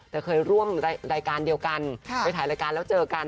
แต่เคยร่วมรายการเดียวกันไปถ่ายรายการแล้วเจอกัน